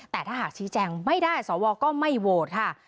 แต่ถ้าหากชี้แจงไม่ได้สวก็ไม่โหวตค่ะ